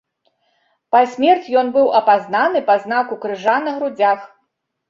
Па смерці ён быў апазнаны па знаку крыжа на грудзях.